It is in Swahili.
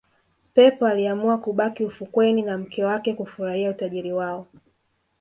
pep aliamua kubaki ufukweni na mke wake kufurahia utajiri wao